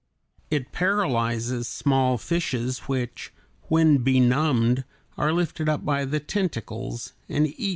It paralyzes small fishes which, when benumbed, are lifted up by the tentacles and eaten.